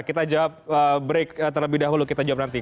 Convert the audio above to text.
kita jawab break terlebih dahulu kita jawab nanti